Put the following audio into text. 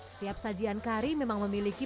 setiap sajian kari memang memiliki